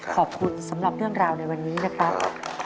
ขอบคุณสำหรับเรื่องราวในวันนี้นะครับ